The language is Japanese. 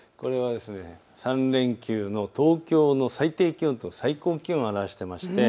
３連休の東京の最低気温と最高気温を表しています。